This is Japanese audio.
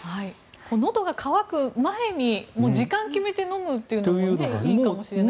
のどが渇く前に時間を決めて飲むっていうのもいいかもしれないですね。